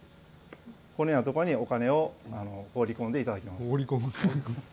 このようなところにお金を放り込んでいただきます。